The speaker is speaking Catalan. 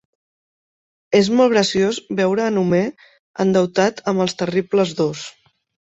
És molt graciós veure en Homer endeutat amb els terribles dos...